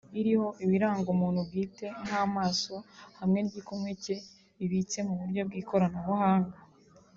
iriho ibiranga umuntu bwite nk’amaso hamwe n’igikumwe cye bibitse mu buryo bw’ikoranabuhanga